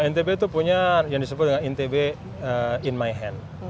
ntb itu punya yang disebut dengan ntb in my hand